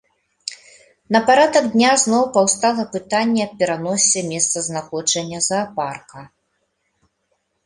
На парадак дня зноў паўстала пытанне аб пераносе месцазнаходжання заапарка.